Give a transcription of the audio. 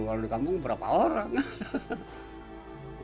kalau di kampung berapa orang